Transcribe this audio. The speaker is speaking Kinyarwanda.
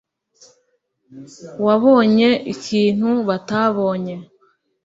wabonye ikintu batabonye